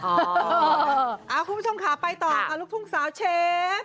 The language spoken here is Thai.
คุณผู้ชมค่ะไปต่อค่ะลูกทุ่งสาวเชฟ